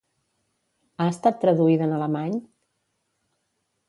Ha estat traduïda en alemany?